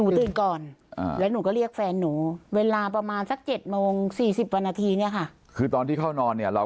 ตีมงานอันนี้คือตำรวจเอาไปตรวจสอบเรียบร้อยหมดแล้ว